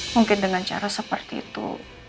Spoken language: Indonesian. mungkin dengan cara seperti itu